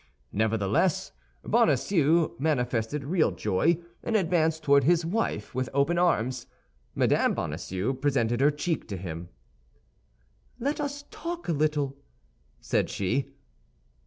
Nevertheless, Bonacieux manifested real joy, and advanced toward his wife with open arms. Madame Bonacieux presented her cheek to him. "Let us talk a little," said she.